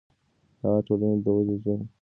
دغه ټولنې دود ژوندی ساتي.